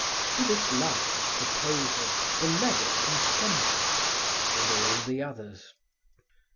To this last proposal the legate consented, as did all the others.